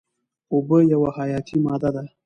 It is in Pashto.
اوبه یوه حیاتي ماده ده.